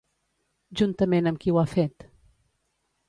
Juntament amb qui ho ha fet?